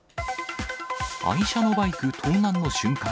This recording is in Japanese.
愛車のバイク盗難の瞬間。